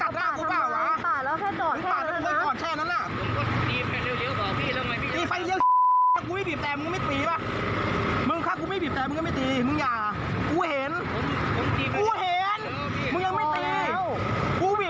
ก็พูดตัดล่างผมเปล่าพี่พี่ปานะ